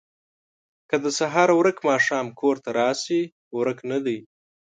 ـ که د سهار ورک ماښام کور ته راشي ورک نه دی